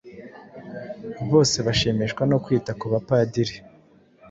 Bose bashimishwa no kwita ku bapadiri.